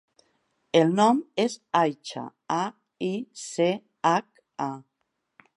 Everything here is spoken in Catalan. El nom és Aicha: a, i, ce, hac, a.